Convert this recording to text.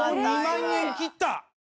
２万円切った！